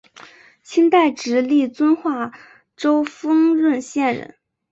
清代直隶遵化州丰润县人。